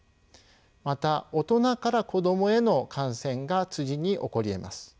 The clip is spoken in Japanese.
また大人から子どもへの感染が次に起こりえます。